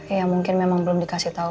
ya mungkin memang belum dikasih tahu